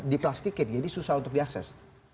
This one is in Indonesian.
diplastikin jadi susah untuk diakses